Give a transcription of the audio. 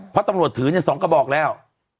เพราะตำรวจถือ๒กระบอกแล้ว